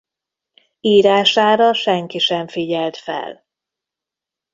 Írására senki sem figyelt fel.